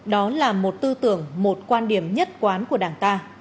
đó là một tư tưởng một quan điểm nhất quán của đảng ta